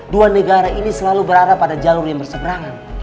dua negara ini selalu berada pada jalur yang berseberangan